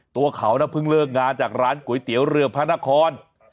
ตัวเขานะเพิ่งเลิกงานจากร้านก๋วยเตี๋ยวเรือพระนคร